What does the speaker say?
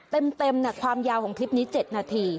เต็มความยาวของคลิปนี้๗นาที